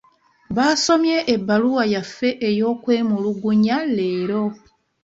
Baasomye ebbaluwa yaffe ey'okwemulugunya leero.